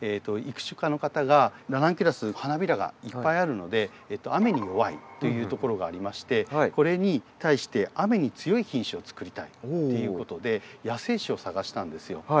育種家の方がラナンキュラス花びらがいっぱいあるので雨に弱いというところがありましてこれに対して雨に強い品種を作りたいっていうことで野生種を探したんですよ。